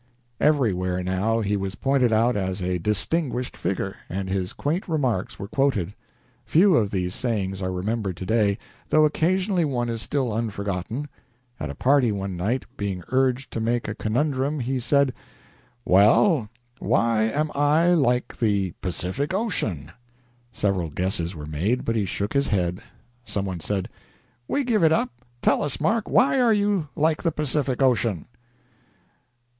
Everywhere, now, he was pointed out as a distinguished figure, and his quaint remarks were quoted. Few of these sayings are remembered to day, though occasionally one is still unforgotten. At a party one night, being urged to make a conundrum, he said: "Well, why am I like the Pacific Ocean?" Several guesses were made, but he shook his head. Some one said: "We give it up. Tell us, Mark, why are you like the Pacific Ocean?"